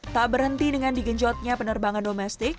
tak berhenti dengan digenjotnya penerbangan domestik